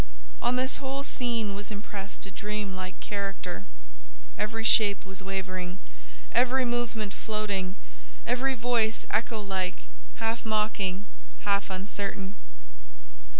On this whole scene was impressed a dream like character: every shape was wavering, every movement floating, every voice echo like—half mocking, half uncertain.